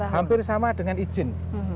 hampir sama dengan izin